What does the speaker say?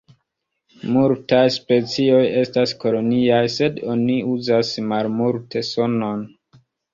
Multaj specioj estas koloniaj sed oni uzas malmulte sonon.